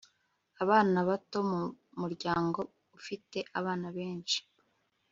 abana bato mu muryango ufite abana benshi